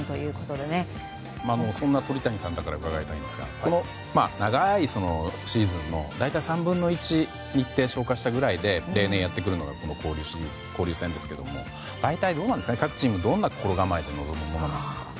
そんな鳥谷さんだから伺いたいんですが長いシーズンの大体３分の１日程を消化したぐらいで例年やってくるのは交流戦ですけれども大体どうなんですかね、各チームどんな心構えで臨むんでしょう。